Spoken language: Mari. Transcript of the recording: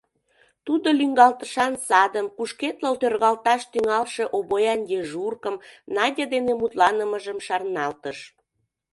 Тудо лӱҥгалтышан садым, кушкедлыл тӧргалташ тӱҥалше обоян дежуркым, Надя дене мутланымыжым шарналтыш.